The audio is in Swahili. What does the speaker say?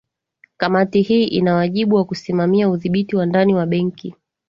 kamati hii ina wajibu wa kusimamia udhibiti wa ndani wa benki